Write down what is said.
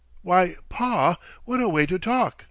"Why, Pa, what a way to talk!"